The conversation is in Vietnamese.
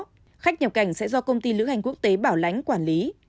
sau đó khách nhập cảnh sẽ do công ty lưỡng hành quốc tế bảo lãnh quản lý